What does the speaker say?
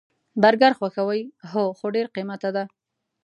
برګر خوښوئ؟ هو، خو ډیر قیمته ده